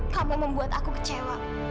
kamu membuat aku kecewa